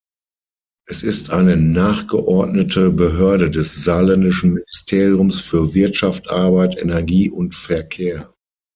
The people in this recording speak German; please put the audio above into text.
Es ist eine nachgeordnete Behörde des saarländischen Ministeriums für Wirtschaft, Arbeit, Energie und Verkehr.